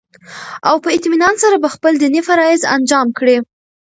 او په اطمينان سره به خپل ديني فرايض انجام كړي